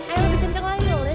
ayo lebih kenceng lagi nol